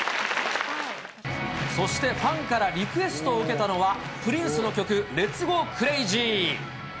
そしてファンからリクエストを受けたのは、プリンスの曲、レッツ・ゴー・クレイジー。